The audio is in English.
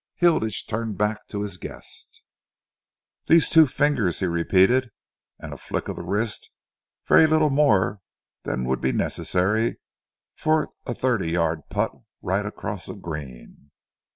Hilditch turned back to his guest. "These two fingers," he repeated, "and a flick of the wrist very little more than would be necessary for a thirty yard putt right across the green."